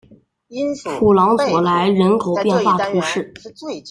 普朗佐莱人口变化图示